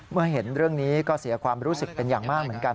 เมื่อเห็นเรื่องนี้ก็เสียความรู้สึกเป็นอย่างมากเหมือนกัน